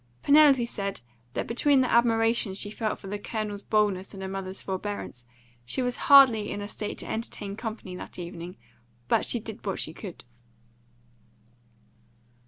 Penelope said that between the admiration she felt for the Colonel's boldness and her mother's forbearance, she was hardly in a state to entertain company that evening; but she did what she could.